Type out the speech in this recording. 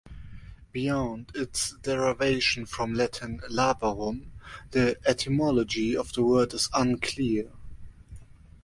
Beyond its derivation from Latin "labarum", the etymology of the word is unclear.